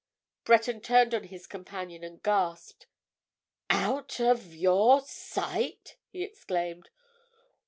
Breton turned on his companion and gasped. "Out—of—your—sight!" he exclaimed.